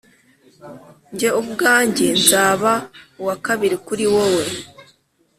Jye ubwanjye nzaba uwa kabiri kuri wowe